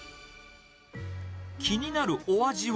気になるお味は。